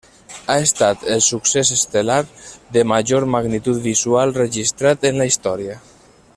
Ha estat el succés estel·lar de major magnitud visual registrat en la història.